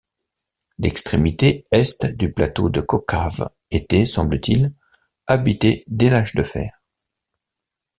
L’extrémité est du plateau de Kokhav était, semble-t-il, habité dès l'Age du Fer.